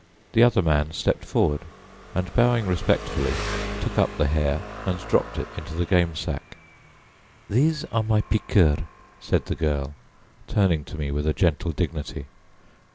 The other man stepped forward and bowing respectfully took up the hare and dropped it into the game sack. "These are my piqueurs," said the girl, turning to me with a gentle dignity.